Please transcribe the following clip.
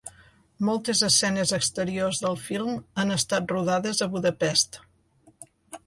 Moltes escenes exteriors del film han estat rodades a Budapest.